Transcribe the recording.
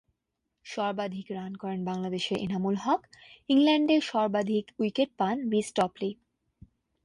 সর্বাধিক রান করেন বাংলাদেশের এনামুল হক, ইংল্যান্ডের সর্বাধিক উইকেট পান রিস টপলী।